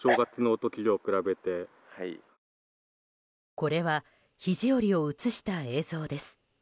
これは肘折を映した映像です。